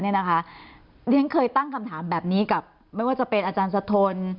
เรียนเคยตั้งคำถามแบบนี้กับไม่ว่าจะเป็นอาจารย์สะทน